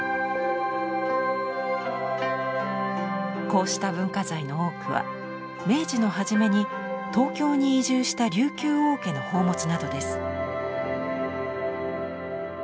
こうした文化財の多くは明治のはじめに東京に移住した琉球王家の宝物などです。